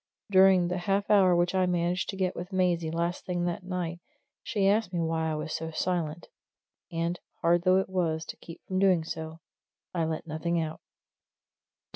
During the half hour which I managed to get with Maisie last thing that night, she asked me why I was so silent, and, hard though it was to keep from doing so, I let nothing out.